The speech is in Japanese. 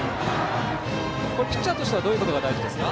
ピッチャーとしてはどういうことが大事ですか？